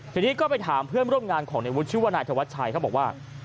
ทีนี้ก็ไปถามเพื่อนร่วมงานของในวุฒิชื่อว่านายธวัชชัยเขาบอกว่า